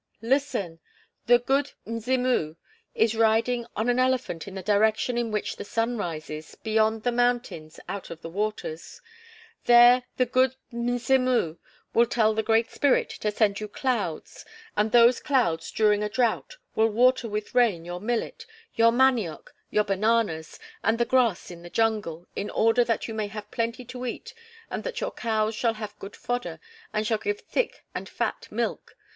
Listen! The 'Good Mzimu' is riding on an elephant in the direction in which the sun rises, beyond the mountains out of the waters; there the 'Good Mzimu' will tell the Great Spirit to send you clouds, and those clouds during a drought will water with rain your millet, your manioc, your bananas, and the grass in the jungle, in order that you may have plenty to eat and that your cows shall have good fodder and shall give thick and fat milk.